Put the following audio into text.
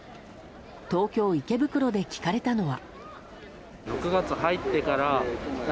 東京・池袋で聞かれたのは。